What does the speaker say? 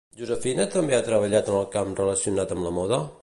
Josefina també ha treballat en el camp relacionat amb la moda?